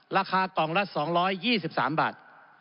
ราคากล่องละ๒๒๓บาท